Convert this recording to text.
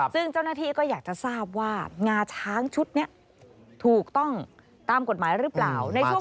ซึ่งเจ้าหน้าที่ก็อยากจะทราบว่างาช้างชุดนี้ถูกต้องตามกฎหมายหรือเปล่า